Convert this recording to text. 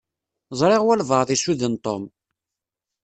Ẓṛiɣ walebɛaḍ issuden Tom.